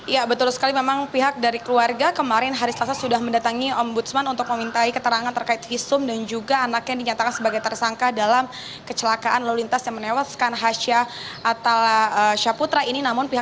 ya betul sekali memang pihak dari keluarga kemarin hari selasa sudah mendatangi ombudsman untuk memintai keterangan terkait visum dan juga anaknya dinyatakan sebagai tersangka dalam kecelakaan lalu lintas yang menewaskan hasya atal syaputra ini